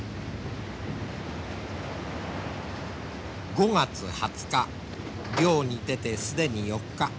５月２０日漁に出て既に４日。